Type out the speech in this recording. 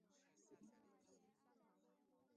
高维拿体育会是葡萄牙的一支体育会。